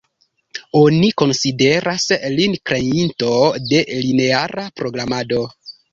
Oni konsideras lin kreinto de lineara programado.